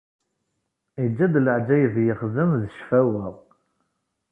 Iǧǧa-d leɛǧayeb yexdem, d ccfawa.